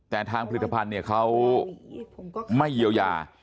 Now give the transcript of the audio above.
แต่ทางผลิตภัณฑ์เนี่ยเขาไม่เยียวยา